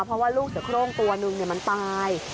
เพราะว่าลูกเสือโครงตัวนึงมันตาย